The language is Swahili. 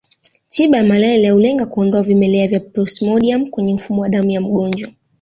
Tiba ya malaria hulenga kuondoa vimelea vya plasmodium kwenye mfumo wa damu ya mgonjwa